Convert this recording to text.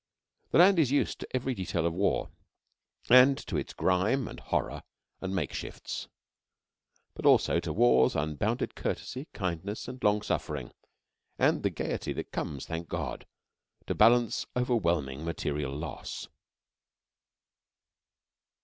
The land is used to every detail of war, and to its grime and horror and make shifts, but also to war's unbounded courtesy, kindness, and long suffering, and the gaiety that comes, thank God, to balance overwhelming material loss.